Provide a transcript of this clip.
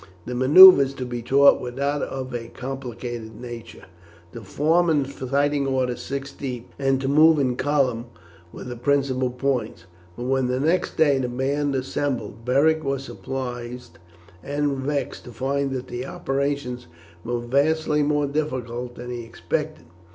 The manoeuvres to be taught were not of a complicated nature. To form in fighting order six deep, and to move in column, were the principal points; but when the next day the band assembled, Beric was surprised and vexed to find that the operations were vastly more difficult than he expected.